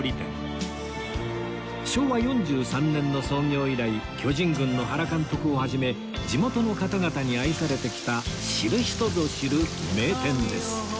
昭和４３年の創業以来巨人軍の原監督を始め地元の方々に愛されてきた知る人ぞ知る名店です